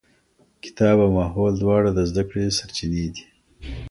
کتاب او ماحول دواړه د زده کړې سرچينې دي.